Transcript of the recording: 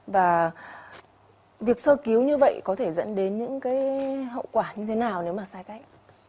và việc sơ cứu như vậy có thể dẫn đến những cái hậu quả như thế nào nếu mà sai cách